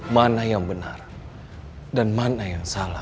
mana yang benar dan mana yang salah